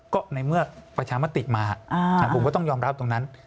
ก็ในเมื่อประชามติมาผมก็ต้องยอมรับตรงนั้น